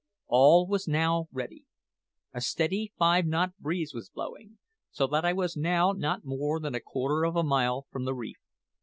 All was now ready. A steady five knot breeze was blowing, so that I was now not more than quarter of a mile from the reef.